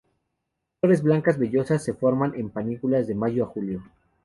Flores blancas vellosas se forman en panículas de mayo a julio.